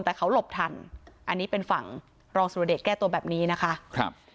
แต่เขาหลบทันอันนี้เป็นฝั่งรองสุรเดชแก้ตัวแบบนี้นะคะครับ